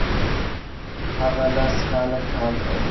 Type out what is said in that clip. هغه لس کاله کار کاوه.